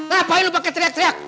kenapa ini lu pake teriak teriak